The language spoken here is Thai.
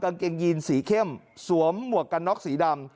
กางเกงยีนสีเข้มสวมหมวกกันน็อกสีดำ